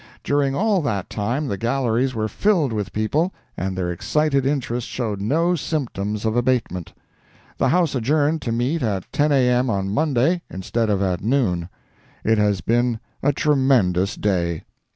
During all that time the galleries were filled with people, and their excited interest showed no symptoms of abatement. The House adjourned to meet at 10 A. M. on Monday, instead of at noon. It has been a tremendous day.